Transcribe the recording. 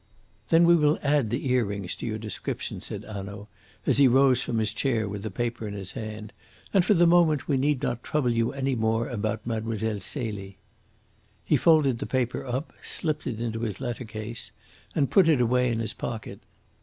"Then we will add the earrings to your description," said Hanaud, as he rose from his chair with the paper in his hand, "and for the moment we need not trouble you any more about Mademoiselle Celie." He folded the paper up, slipped it into his letter case, and put it away in his pocket.